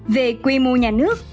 về quy mô nhà nước